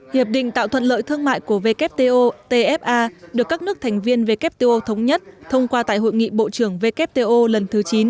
hiệp định tạo thuận lợi thương mại của wto tfa được các nước thành viên wto thống nhất thông qua tại hội nghị bộ trưởng wto lần thứ chín